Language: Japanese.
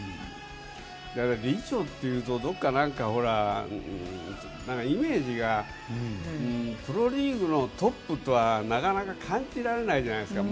理事長というとどこか何かイメージがプロリーグのトップとはなかなか感じられないじゃないですか。